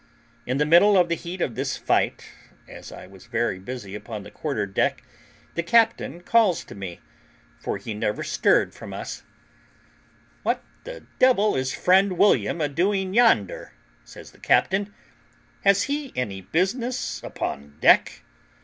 In the middle of the heat of this fight, as I was very busy upon the quarter deck, the captain calls to me, for he never stirred from us, "What the devil is friend William a doing yonder?" says the captain; "has he any business upon, deck?"